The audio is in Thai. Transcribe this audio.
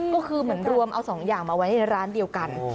ก็คือเหมือนรวมเอาสองอย่างมาไว้ในร้านเดียวกัน